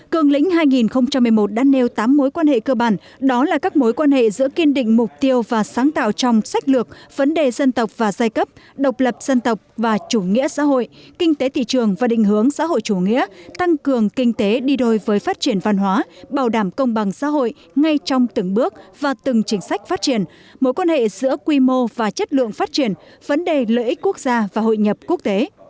cường lĩnh hai nghìn một mươi một đã nêu tám mối quan hệ cơ bản đó là các mối quan hệ giữa kiên định mục tiêu và sáng tạo trong sách lược vấn đề dân tộc và giai cấp độc lập dân tộc và chủ nghĩa xã hội kinh tế thị trường và định hướng xã hội chủ nghĩa tăng cường kinh tế đi đôi với phát triển văn hóa bảo đảm công bằng xã hội ngay trong từng bước và từng chính sách phát triển mối quan hệ giữa quy mô và chất lượng phát triển vấn đề lợi ích quốc gia và hội nhập quốc tế